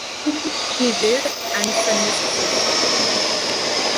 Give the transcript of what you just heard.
He did, and finished fifth.